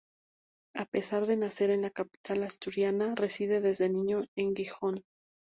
A pesar de nacer en la capital asturiana, reside desde niño en Gijón.